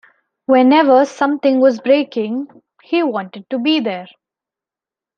Whenever something was breaking, he wanted to be there.